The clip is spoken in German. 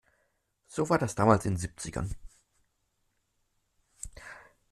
So war das damals in den Siebzigern.